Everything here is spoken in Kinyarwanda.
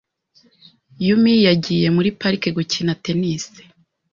Yumi yagiye muri parike gukina tennis .